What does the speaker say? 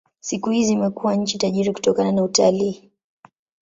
Siku hizi imekuwa nchi tajiri kutokana na utalii.